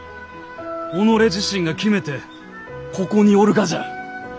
己自身が決めてここにおるがじゃ。